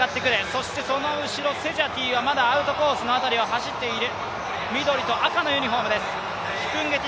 そしてその後ろ、セジャティはまだアウトコースの辺りを走っている。